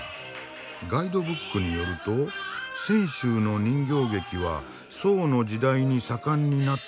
ガイドブックによると泉州の人形劇は宋の時代に盛んになった伝統芸能。